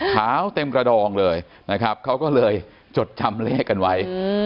ขาวเต็มกระดองเลยนะครับเขาก็เลยจดจำเลขกันไว้